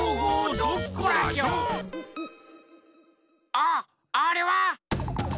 あっあれは！